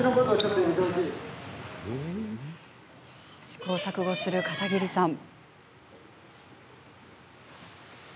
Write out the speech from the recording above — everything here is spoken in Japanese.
試行錯誤する片桐さん。